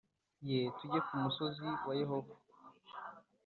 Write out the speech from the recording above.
ye tujye ku musozi wa yehova